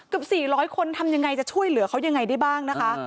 ๔๐๐คนทำยังไงจะช่วยเหลือเขายังไงได้บ้างนะคะ